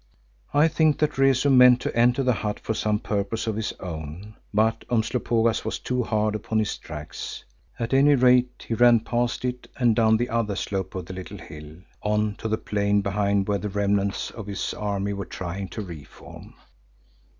I think that Rezu meant to enter the hut for some purpose of his own, but Umslopogaas was too hard upon his tracks. At any rate he ran past it and down the other slope of the little hill on to the plain behind where the remnants of his army were trying to re form.